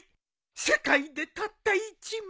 世界でたった一枚。